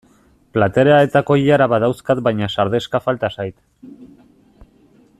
Platera eta koilara badauzkat baina sardexka falta zait.